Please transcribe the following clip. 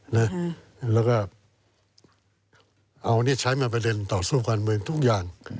แล้วก็เอานี่ใช้มาเปลี่ยนต่อทั่วงานเมือง